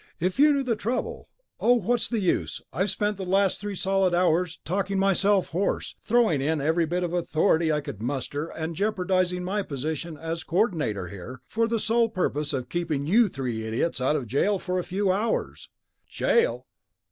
"If you knew the trouble ... oh, what's the use? I've spent the last three solid hours talking myself hoarse, throwing in every bit of authority I could muster and jeopardizing my position as Coordinator here, for the sole purpose of keeping you three idiots out of jail for a few hours." "Jail!"